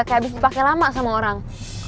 kayak abis dipake lama sama orang